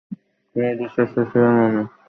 তোমার বিশ্বস্ত ছিলাম আমি, অ্যাজাক।